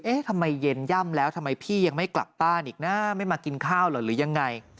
ทำไมเย็นย่ำแล้วทำไมพี่ยังไม่กลับบ้านอีกนะไม่มากินข้าวเหรอหรือยังไง